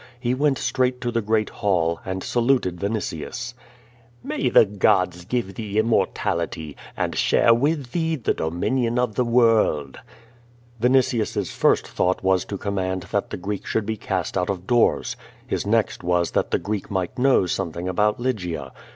He went straight to the great hall, and sj] luted Vinitius: "May the gods give thee immortality, and share with thee the dominion of the world." 252 Q^O VADISl. Vinitius's first thought was to command that the GreeJc should be cast out of doors. His next wns that the Greek might know something about Lygia.